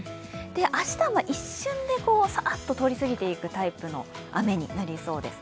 明日は一瞬でサーッと通り過ぎていくタイプの雨になりそうです。